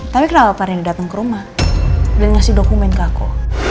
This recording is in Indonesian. tapi kenapa pak randy dateng ke rumah dan ngasih dokumen ke aku